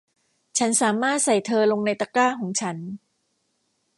ฉันสามารถใส่เธอลงในตะกร้าของฉัน